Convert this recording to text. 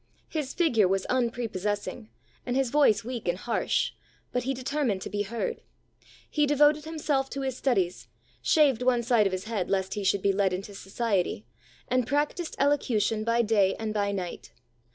His figure was unprepossessing, and his voice weak and harsh, but he determined to be heard. He devoted himself to his studies, shaved one side of his head lest he should be led into society, and practised elocution by day and by night.